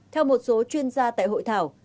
theo một số chuyên gia tại hội thảo